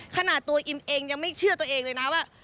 ขนาดตัวอิมเองยังไม่เชื่อตัวเองเลยนะว่า